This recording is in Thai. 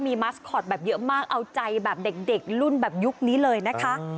มีมัสคอตแบบเยอะมากเอาใจแบบเด็กรุ่นแบบยุคนี้เลยนะคะ